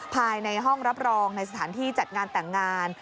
ภายในห้องรับรองในสถานที่จัดงานแต่งงาน